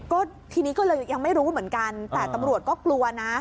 ก็ทีนี้ก็เลยยังไม่รู้เหมือนกันแต่ตำรวจก็กลัวนะ